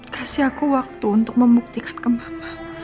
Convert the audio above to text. kasih aku waktu untuk membuktikan ke mama